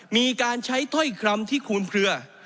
มีการใช้ถ้อยคำที่คูณเคลือ